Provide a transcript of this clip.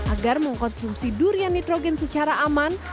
agar mengkonsumsi durian nitrogen secara aman